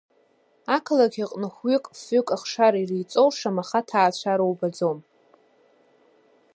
Ақалақь аҟны хәҩык, фҩык ахшара иреиҵоу шамаха ҭаацәара убаӡом.